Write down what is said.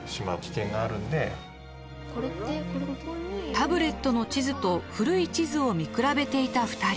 タブレットの地図と古い地図を見比べていた２人。